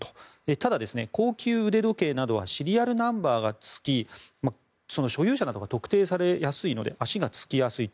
ただ、高級腕時計などはシリアルナンバーがつき所有者などが特定されやすいので足がつきやすいと。